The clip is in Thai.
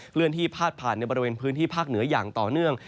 เลื่อนที่พาดผ่านในบริเวณพื้นที่ภาคเหนืออย่างต่อเนื่อง